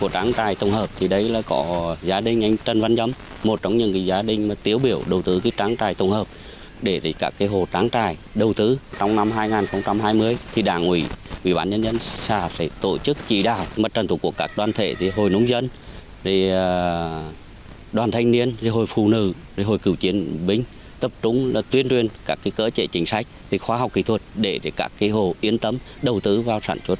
trang trại của gia đình anh trần văn nhâm có sáu năm trăm linh con gà thịt ba mươi con dê hơn một trăm linh con rừng hàng chục con trâu bò cùng ao nuôi cá và hơn sáu hectare trồng rừng